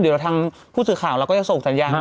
เดี๋ยวทางผู้สื่อข่าวเราก็จะส่งสัญญาณ